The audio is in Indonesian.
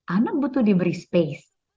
anak butuh diberi space